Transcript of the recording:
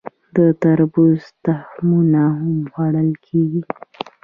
د تربوز تخمونه هم خوړل کیږي.